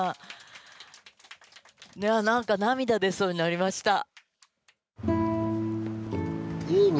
何か涙出そうになりました。